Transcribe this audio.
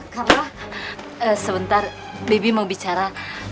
karena sebentar bebi mau bicara